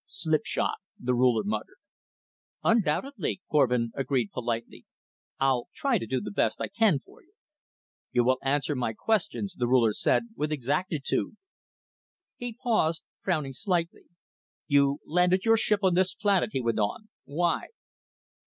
"Slipshod," the Ruler muttered. "Undoubtedly," Korvin agreed politely. "I'll try to do the best I can for you." "You will answer my questions," the Ruler said, "with exactitude." He paused, frowning slightly. "You landed your ship on this planet," he went on. "Why?"